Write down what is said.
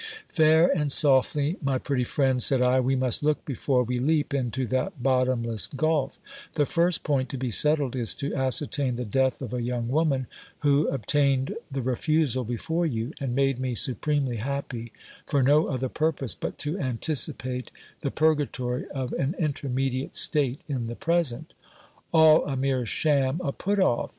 Fair and softly, my pretty friend, said I : we must look before we leap into that bottomless gulf : the first point to be settled is to ascertain the death of a young woman, who obtained the refusal before you, and made me supremely happy, for no other purpose but to anticipate the purgatory of an intermediate stite in the present All a mere sham, a put off